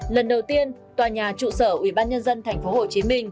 lần đầu tiên tòa nhà trụ sở ubnd tp hcm